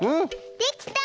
できた！